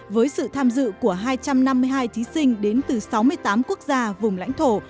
với sự tham dự của hai trăm năm mươi hai thí sinh đến từ sáu mươi tám quốc gia vùng lãnh thổ